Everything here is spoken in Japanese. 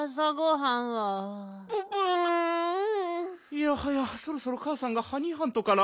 いやはやそろそろかあさんがハニーハントから。